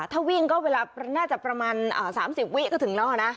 ถ้าวิ่งก็เวลาน่าจะประมาณ๓๐วิก็ถึงแล้วนะ